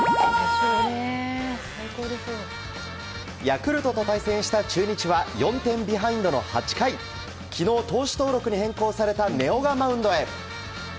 ヤクルトと対戦した中日は４点ビハインドの８回昨日、投手登録に変更された根尾がマウンドへ。